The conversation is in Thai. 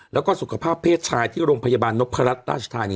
แล้วก็สุขภาพเพศชายที่โรงพยาบาลนพรัชราชธานี